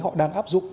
họ đang áp dụng